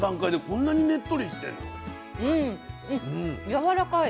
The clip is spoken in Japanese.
やわらかい。